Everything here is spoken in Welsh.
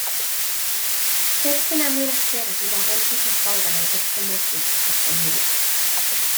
Llyfr sy'n amlinellu'r egwyddorion Cristnogol gan Isaac Thomas yw Trosom Ni.